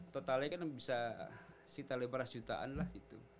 totalnya kan bisa sekitar lima ratus jutaan lah gitu